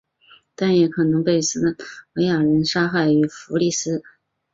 但也可能是被斯堪的纳维亚人杀害于福里斯。